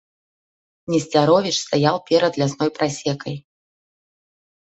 Несцяровіч стаяў перад лясной прасекай.